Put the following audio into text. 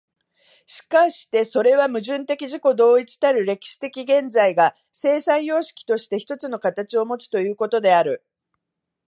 しかしてそれは矛盾的自己同一たる歴史的現在が、生産様式として一つの形をもつということである。